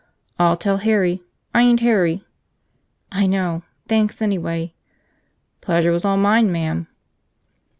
"I'll tell Harry, I ain't Harry." "I know. Thanks anyway." "Pleasure was all mine, ma'am."